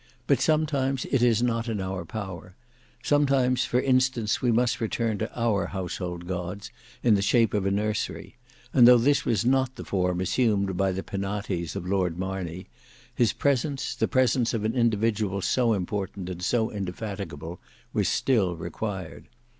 But sometimes it is not in our power; sometimes for instance we must return to our household gods in the shape of a nursery; and though this was not the form assumed by the penates of Lord Marney, his presence, the presence of an individual so important and so indefatigable, was still required.